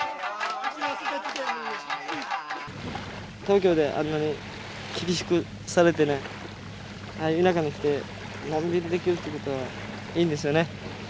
東京であんなに厳しくされてねああいう中にいてのんびりできるってことはいいんですよね。